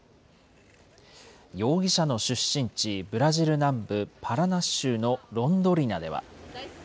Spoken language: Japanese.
容疑者の出身地、ブラジル南部パラナ州のロンドリナでは。